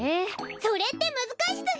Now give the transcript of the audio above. それってむずかしすぎる！